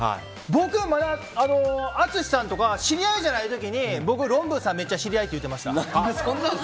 僕は淳さんとか知り合いじゃない時に僕、ロンブーさんとめっちゃ知り合いって言うてました。